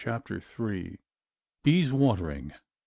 CHAPTER III. BEES WATERING.